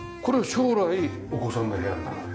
将来お子さんの部屋になるわけだ。